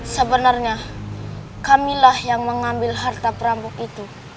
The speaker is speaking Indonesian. sebenarnya kamilah yang mengambil harta perampok itu